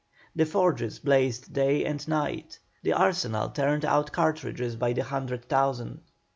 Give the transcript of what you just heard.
The forges blazed day and night, the arsenal turned out cartridges by the hundred thousand.